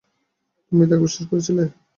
তুমি তাকে বিশ্বাস করেছিলে?